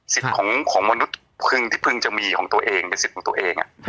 ของมนุษย์พึงที่พึงจะมีของตัวเองเป็นสิทธิ์ของตัวเอง